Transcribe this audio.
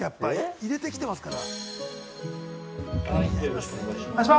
入れてきてますから。